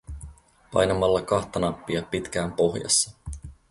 Painamalla kahta nappia pitkään pohjassa.